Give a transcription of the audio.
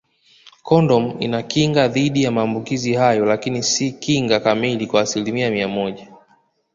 Kondomu inakinga dhidi ya maambukizi hayo lakini si kinga kamili kwa asilimia mia moja